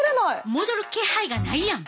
戻る気配がないやん。